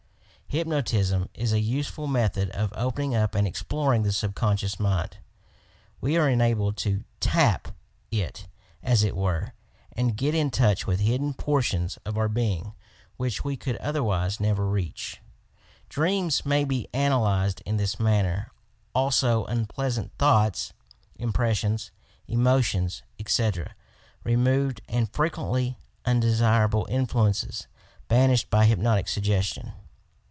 Hypnotism is a useful method of opening up and exploring the subconscious mind. We are enabled to "tap" it, as it were, and get in touch with hidden portions of our being which we could otherwise never reach. Dreams may be analysed in this manner; also unpleasant thoughts, impressions, emotions, etc., removed and frequently undesirable influences banished by hypnotic suggestion.